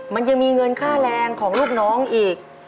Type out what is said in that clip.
มันยังมีเงินค่าแรงของลูกน้องอีก